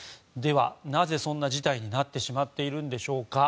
なぜ、そんな事態になってしまっているんでしょうか。